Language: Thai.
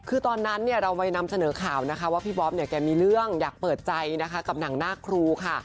คือตอนนั้นเราไปนำเสนอข่าวพี่บ๊อบเนี่ยแกมีเรื่องอยากเปิดใจกับหนังนาครูค่ะ